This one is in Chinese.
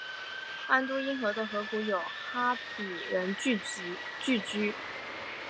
安都因河的河谷有哈比人聚居。